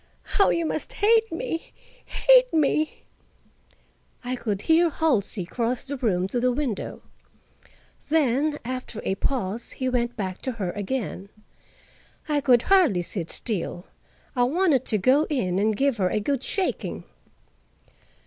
How you must hate me—hate me!" I could hear Halsey cross the room to the window. Then, after a pause, he went back to her again. I could hardly sit still; I wanted to go in and give her a good shaking.